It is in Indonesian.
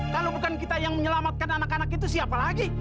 kalau bukan kita yang menyelamatkan anak anak itu siapa lagi